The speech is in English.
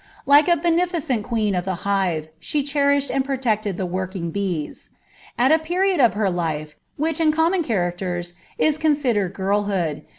Like a beneficent queen ^ the hive, she cherished and protected the working bees. At a mtvi of her life, which, in common characiers, is considered girlhixM.